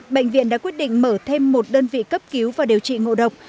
bệnh viện đã quyết định mở thêm một đơn vị cấp cứu và điều trị ngộ độc